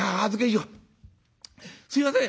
すいません。